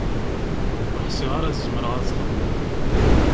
Ur ḥsiɣ ara ad zemreɣ ad t-xedmeɣ.